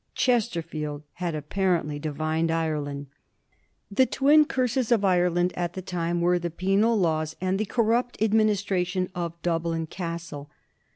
Chesterfield had apparently divined Ireland. The twin curses of Ireland at the time were the Penal Laws and the corrupt administration of Dublin Castle.